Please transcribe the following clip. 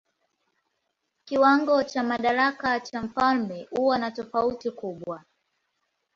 Kiwango cha madaraka cha mfalme huwa na tofauti kubwa.